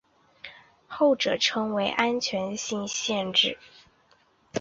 后者称为安全性限制。